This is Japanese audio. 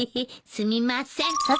すみません。